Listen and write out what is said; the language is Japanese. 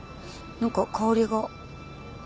何か香りが。